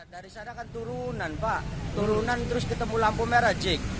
dari sana kan turunan pak turunan terus ketemu lampu merah jack